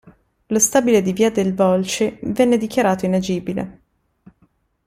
Lo stabile di via dei volsci viene dichiarato inagibile.